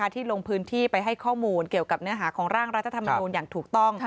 ที่ลงพื้นที่ไปให้ข้อมูลเกี่ยวกับเนื้อหาของร่างรัฐธรรมนูลอย่างถูกต้อง